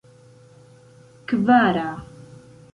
kvara